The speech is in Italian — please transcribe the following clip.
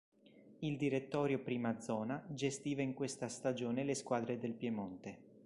Il Direttorio I Zona gestiva in questa stagione le squadre del Piemonte.